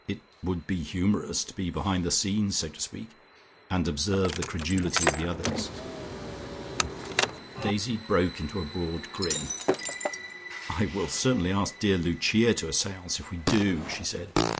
It it would be humorous to be behind the scenes, so to speak, and observe the credulity of the others." Daisy broke into a broad grin. "I will certainly ask dear Lucia to a seance, if we do," she said.